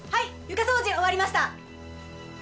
床掃除終わりました！